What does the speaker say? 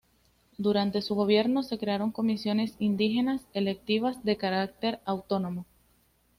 Durante su gobierno se crearon comisiones indígenas electivas, de carácter autónomo.